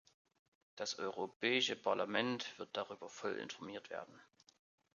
Das Europäische Parlament wird darüber voll informiert werden.